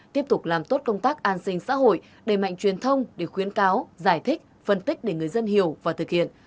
tiếp tục làm tốt công tác an sinh xã hội đẩy mạnh truyền thông để khuyến cáo giải thích phân tích để người dân hiểu và thực hiện